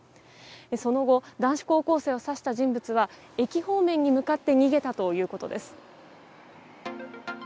その後男子高校生を刺した人物は駅方面に向かって逃げたということです。